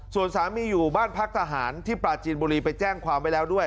ส่วนสามีอยู่บ้านพักทหารที่ปลาจีนบุรีไปแจ้งความไว้แล้วด้วย